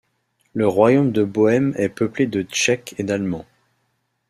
Le royaume de Bohême est peuplé de Tchèques et d'Allemands.